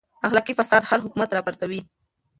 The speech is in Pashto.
اخلاقي فساد هر حکومت راپرځوي.